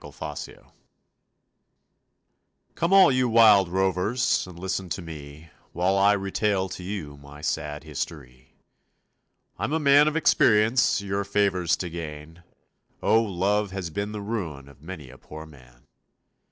] WILD ROVERS Come all you wild rovers And listen to me While I retail to you My sad history. I'm a man of experience Your favors to gain, Oh, love has been the ruin Of many a poor man.